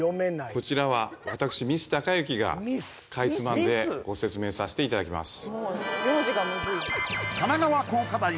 こちらは私三栖貴行がかいつまんでご説明させていただきます